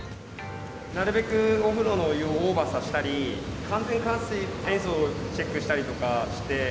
なるべくお風呂のお湯をオーバーさせたり、完全換水、塩素もチェックしたりとかして。